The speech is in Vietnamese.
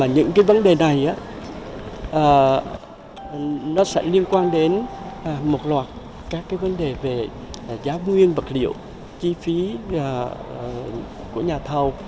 những cái vấn đề này nó sẽ liên quan đến một loạt các vấn đề về giá nguyên vật liệu chi phí của nhà thầu